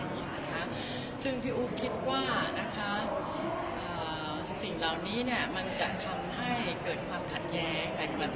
ว่าสิ่งที่ผู้อยู่คิดว่ามันจะทำให้เกิดความขัดยั้งแปลงประเภท